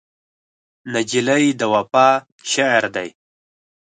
نجلۍ د وفا شعر ده.